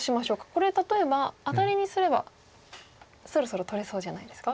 これ例えばアタリにすればそろそろ取れそうじゃないですか？